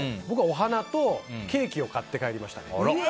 僕はお花とケーキを買って帰りましたね。